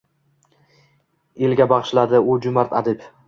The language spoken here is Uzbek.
Elga bag’ishladi u jo’mard adib.